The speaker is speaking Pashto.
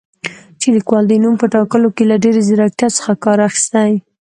چې لیکوال د نوم په ټاکلو کې له ډېرې زیرکتیا څخه کار اخیستی